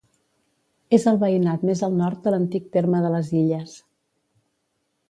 És el veïnat més al nord de l'antic terme de les Illes.